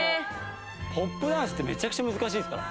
ポップダンスってめちゃくちゃ難しいですから。